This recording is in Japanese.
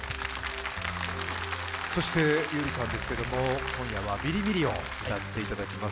そして、優里さんですけども、今夜は「ビリミリオン」をやっていただきます。